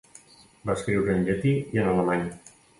Va escriure en llatí i en alemany.